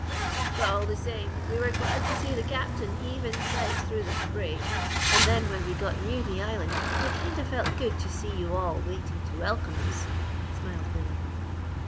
"But all the same, we were glad to see the Captain heave in sight through the spray, and then when we got near the island it kinda felt good to see you all waiting to welcome us," smiled Billy.